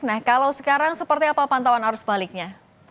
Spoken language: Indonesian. nah kalau sekarang seperti apa pantauan arus baliknya